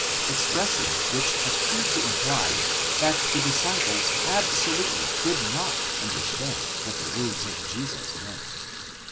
34): expressions which appear to imply that the disciples absolutely did not understand what the words of Jesus meant.